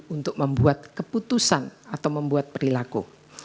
untuk membuat keputusan atau membuat perilaku